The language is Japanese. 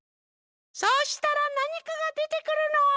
そうしたらなにかがでてくるの。